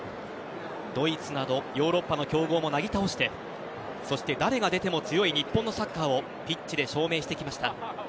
ドイツなどヨーロッパの強豪もなぎ倒してそして、誰が出ても強い日本のサッカーをピッチで証明してきました。